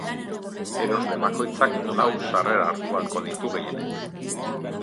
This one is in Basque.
Erosle bakoitzak lau sarrera hartu ahalko ditu gehienez.